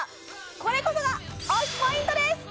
これこそが推しポイントです